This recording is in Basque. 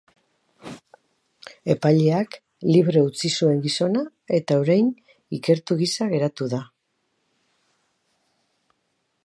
Epaileak libre utzi zuen gizona eta orain ikertu gisa geratu da.